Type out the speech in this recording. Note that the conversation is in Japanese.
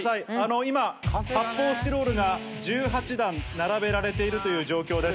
今、発泡スチロールが１８段並べられているという状況です。